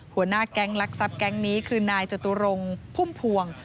หัวหน้าแก๊งลักษัพแก๊งนี้คือนายจตุรงพุ่มพวง